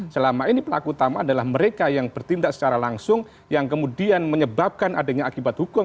selama ini pelaku utama adalah mereka yang bertindak secara langsung yang kemudian menyebabkan adanya akibat hukum